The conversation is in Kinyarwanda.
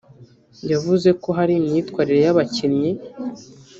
yavuze ko hari imyitwarire y’abakinnyi